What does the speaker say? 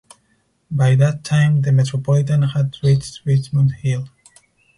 By that time the Metropolitan had reached Richmond Hill.